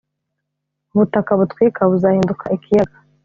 Ubutaka butwika buzahinduka ikiyaga,